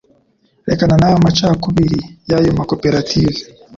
rekana nayo macakubiri yayo ma koperative